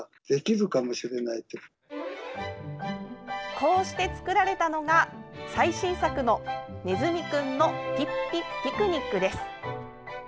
こうして作られたのが最新作の「ねずみくんのピッピッピクニック」です。